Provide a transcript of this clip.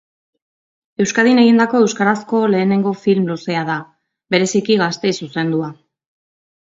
Euskadin egindako euskarazko lehenengo film luzea da, bereziki gazteei zuzendua.